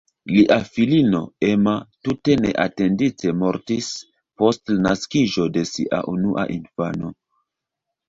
Lia filino "Emma" tute neatendite mortis post la naskiĝo de sia unua infano.